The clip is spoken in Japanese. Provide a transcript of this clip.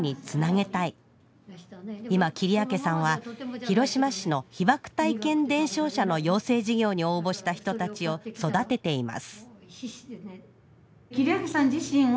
今切明さんは広島市の被爆体験伝承者の養成事業に応募した人たちを育てています